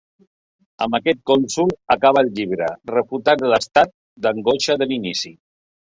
Amb aquest consol acaba el llibre, refutant l'estat d'angoixa de l'inici.